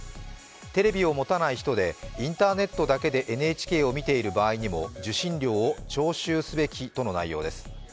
テレビを持たない人でインターネットだけでＮＨＫを見ている場合にも受信料を徴収すべきとの内容です。